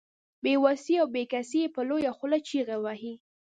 بې وسي او بې کسي يې په لويه خوله چيغې وهي.